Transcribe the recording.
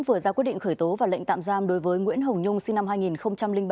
vừa ra quyết định khởi tố và lệnh tạm giam đối với nguyễn hồng nhung sinh năm hai nghìn bảy